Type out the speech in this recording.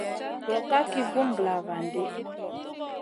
Gro ka ki bùn glavandi.